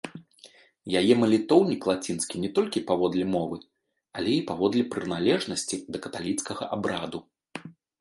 Яе малітоўнік лацінскі не толькі паводле мовы, але і паводле прыналежнасці да каталіцкага абраду.